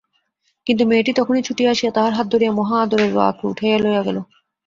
কিন্তু মেয়েটি তখনই ছুটিয়া আসিয়া তাহার হাত ধরিয়া মহা-আদরে রোয়াকে উঠাইয়া লইয়া গেল।